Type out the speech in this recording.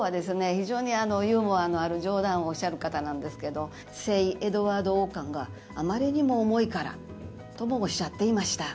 非常にユーモアのある冗談をおっしゃる方なんですけど聖エドワード王冠があまりにも重いからともおっしゃっていました。